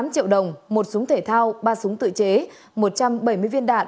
một mươi tám triệu đồng một súng thể thao ba súng tự chế một trăm bảy mươi viên đạn